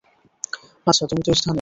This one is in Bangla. আচ্ছা, তুমি তো স্থানীয়।